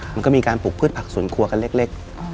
มันก็มีการปลูกพืชผักสวนครัวกันเล็ก